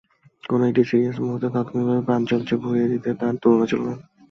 কোনো একটা সিরিয়াস মুহূর্তকে তাৎক্ষণিকভাবে প্রাণচাঞ্চল্যে ভরিয়ে দিতে তাঁর তুলনা ছিল না।